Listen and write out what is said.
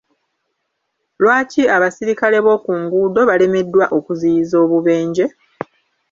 Lwaki abasirikale b’oku nguudo balemeddwa okuziyiza obubenje?